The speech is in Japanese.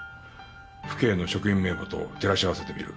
府警の職員名簿と照らし合わせてみる。